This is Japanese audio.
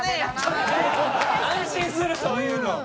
安心するそういうの。